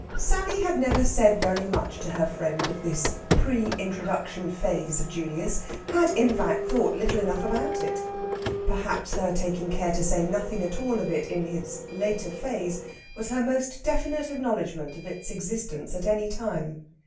Sally had never said very much to her friend of this pre introduction phase of Julius had, in fact, thought little enough about it. Perhaps her taking care to say nothing at all of it in his later phase was her most definite acknowledgment of its existence at any time.